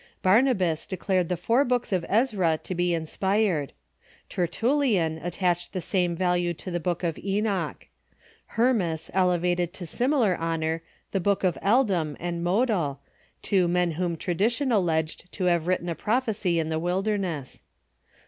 Barnabas declared the four books of Ezra to be in spired. Tertullian attached the same value to the Book of Enoch. Hermas elevated to similar honor the Book of Eldam 58 THE EARLY CHUECII and Modal, two men whom tradition alleged to have written a prophecy in the wilderness.